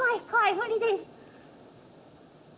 無理です。